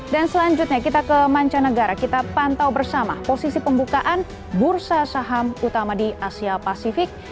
dan selanjutnya kita ke mancanegara kita pantau bersama posisi pembukaan bursa saham utama di asia pasifik